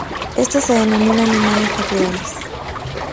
Estas se denominaron imanes naturales.